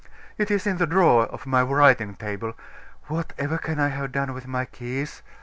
It is in the drawer of my writing table. Whatever can I have done with my keys?"